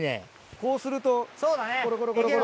こうするとコロコロ。